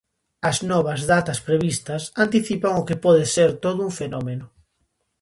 As novas datas previstas anticipan o que pode ser todo un fenómeno.